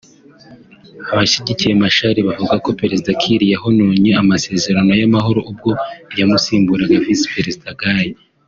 Abashyigikiye Machar bavuga ko Perezida Kiir yahonyoye amasezerano y’amahoro ubwo yamusimbuzaga Visi Perezida Gai